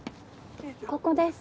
ここです。